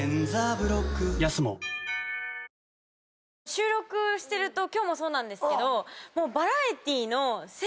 収録してると今日もそうなんですけど。